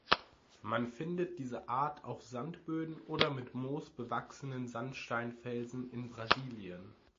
Man findet diese Art auf Sandböden oder mit Moos bewachsenen Sandstein-Felsen in Brasilien.